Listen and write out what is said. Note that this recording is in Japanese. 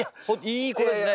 いい子ですね